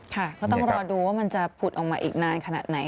ก็ต้องรอดูว่ามันจะผุดออกมาอีกนานขนาดไหน